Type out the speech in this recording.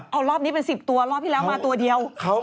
เอารอบนี้เป็น๑๐ตัวรอบที่แล้วมาตัวเดียว